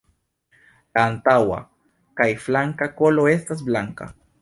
La antaŭa kaj flanka kolo estas blanka.